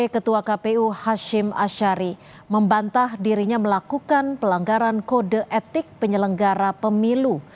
ketua kpu hashim ashari membantah dirinya melakukan pelanggaran kode etik penyelenggara pemilu